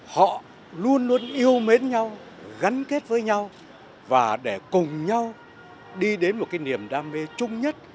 họ luôn luôn yêu mến nhau gắn kết với nhau và để cùng nhau đi đến một cái niềm đam mê chung nhất